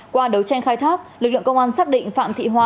qua đấu tranh khai thác lực lượng công an xác định phạm thị hoa